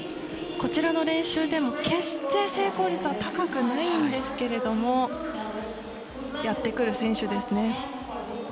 こちらの練習でも決して成功率は高くないんですけれどもやってくる選手ですね。